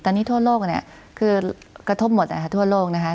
ตอนนี้ทั่วโลกคือกระทบหมดทั่วโลกนะคะ